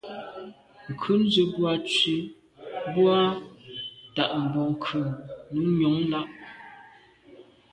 Ŋkrʉ̀n zə̃ bù à’ tsì bú bə́ á tà’ mbrò ŋkrʉ̀n nù nyɔ̌ŋ lá’.